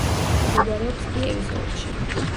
მდებარეობს კიევის ოლქში.